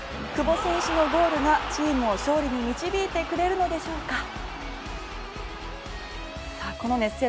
久保選手のゴールがチームを勝利に導いてくれるのでしょうか。